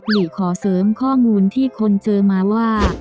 หลีขอเสริมข้อมูลที่คนเจอมาว่า